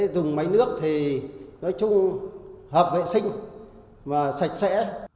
dùng máy nước thì nói chung hợp vệ sinh và sạch sẽ